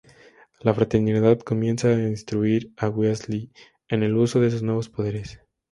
La Fraternidad comienza a instruir a Wesley en el uso de sus nuevos poderes.